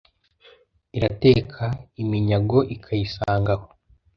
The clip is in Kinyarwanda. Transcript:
Irateka iminyago ikayisanga aho